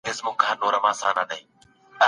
د هویت پېژندنه په مطالعه پوري تړلې ده.